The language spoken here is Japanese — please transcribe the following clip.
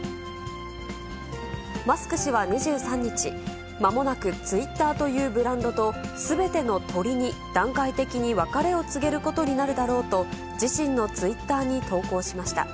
マスク氏は２３日、まもなくツイッターというブランドと、すべての鳥に段階的に別れを告げることになるだろうと、自身のツイッターに投稿しました。